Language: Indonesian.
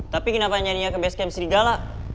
tapi kenapa nyarinya ke base camp serigala